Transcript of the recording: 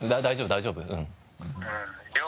大丈夫大丈夫うん。